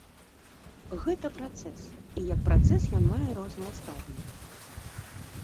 Гэта працэс, і як працэс ён мае розныя стадыі.